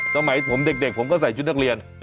สมัยผมเด็กผมก็ใส่ชุดนักเรียน